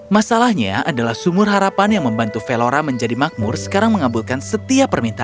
masalahnya adalah sumur harapan yang membantu velora menjadi makmur sekarang mengabulkan setiap permintaan